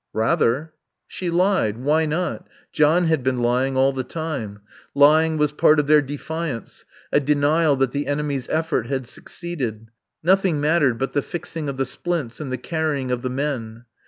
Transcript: "Rather." She lied. Why not? John had been lying all the time. Lying was part of their defiance, a denial that the enemy's effort had succeeded. Nothing mattered but the fixing of the splints and the carrying of the men....